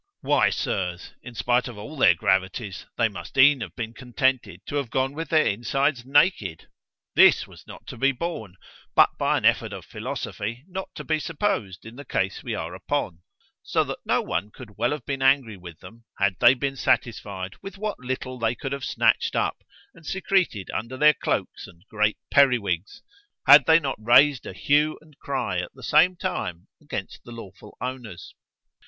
——Why, Sirs, in spite of all their gravities, they must e'en have been contented to have gone with their insides naked——this was not to be borne, but by an effort of philosophy not to be supposed in the case we are upon——so that no one could well have been angry with them, had they been satisfied with what little they could have snatched up and secreted under their cloaks and great perriwigs, had they not raised a hue and cry at the same time against the lawful owners.